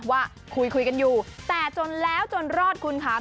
ว่าคุยกันอยู่แต่จนแล้วจนรอดคุณค่ะ